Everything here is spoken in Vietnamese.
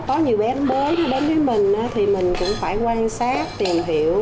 có nhiều bé mới đến với mình thì mình cũng phải quan sát tìm hiểu